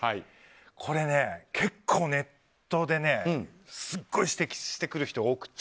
これ、結構ネットですごく指摘してくる人が多くて。